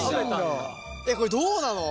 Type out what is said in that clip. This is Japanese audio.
えっこれどうなの？